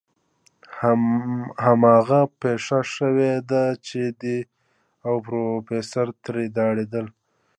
هماغه پېښه شوې وه چې دی او پروفيسر ترې ډارېدل.